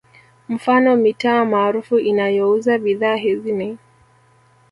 Mfano mitaa maarufu inayouza bidhaa hizi ni